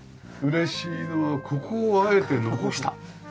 嬉しいのはここをあえて残した。